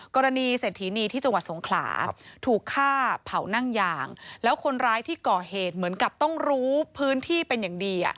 กรณีเศรษฐีนีที่จังหวัดสงขลาถูกฆ่าเผานั่งยางแล้วคนร้ายที่ก่อเหตุเหมือนกับต้องรู้พื้นที่เป็นอย่างดี